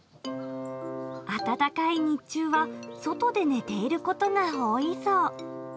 暖かい日中は、外で寝ていることが多いそう。